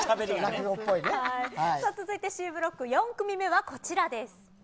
続いてＣブロック４組目はこちらです。